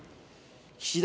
岸田